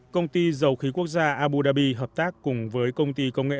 công ty dầu khí quốc gia abu dhabi hợp tác cùng với công ty công nghệ